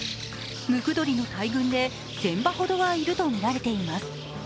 ムクドリの大群で１０００羽ほどいるとみられています。